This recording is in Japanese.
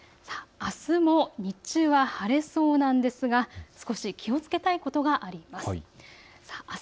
あすも日中は晴れそうなんですが少し気をつけたいことがあります。